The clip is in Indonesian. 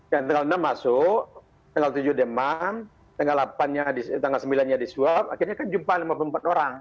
yang tanggal enam masuk tanggal tujuh demam tanggal sembilan nya disuap akhirnya kan jumpa lima puluh empat orang